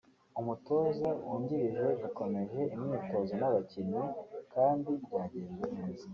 umutoza wungirije yakomeje imyitozo n’abakinnyi kandi byagenze neza